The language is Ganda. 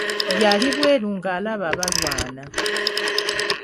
Yali bweru nga alaba balwana.